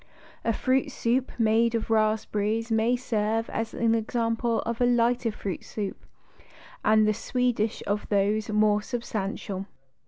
A fruit soup made of raspberries may serve as example of a lighter fruit soup and the Swedish of those more substantial.